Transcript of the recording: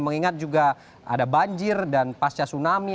mengingat juga ada banjir dan pasca tsunami